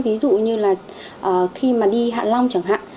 ví dụ như là khi mà đi hạ long chẳng hạn